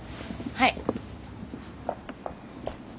はい。